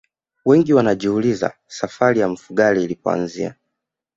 wengi wanajiuliza safari ya mfugale ilipoanzia